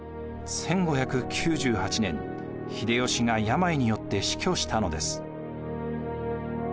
１５９８年秀吉が病によって死去したのです。